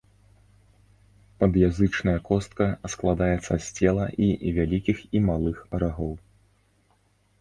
Пад'язычная костка складаецца з цела і вялікіх і малых рагоў.